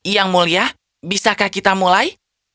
yang mulia bisakah kita mulai